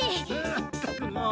ったくもう。